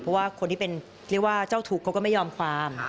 เพราะว่าคนที่เป็นเรียกว่าเจ้าทุกข์เขาก็ไม่ยอมความ